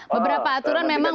beberapa aturan memang